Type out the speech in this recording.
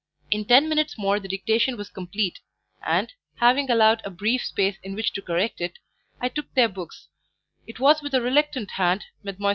In ten minutes more the dictation was complete, and, having allowed a brief space in which to correct it, I took their books; it was with a reluctant hand Mdlle.